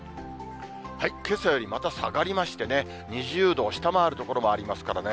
けさよりまた下がりましてね、２０度を下回る所もありますからね。